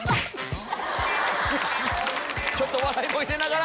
ちょっと笑いも入れながら。